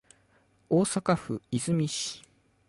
大阪府和泉市